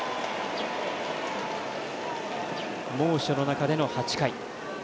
猛暑の中での８回。